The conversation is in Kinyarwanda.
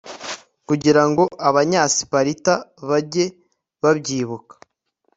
kugira ngo abanyasiparita bajye babyibuka